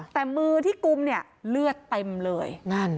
แต่มือที่กุมเนี่ยเลือดเต็มเลย